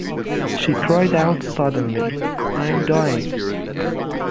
She cried out suddenly, 'I'm dying!